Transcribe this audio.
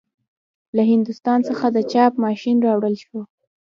له هندوستان څخه د چاپ ماشین راوړل شو.